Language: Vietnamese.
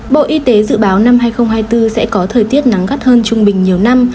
bộ y tế dự báo năm hai nghìn hai mươi bốn sẽ có thời tiết nắng gắt hơn trung bình nhiều năm